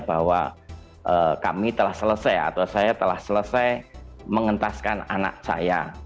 bahwa kami telah selesai atau saya telah selesai mengentaskan anak saya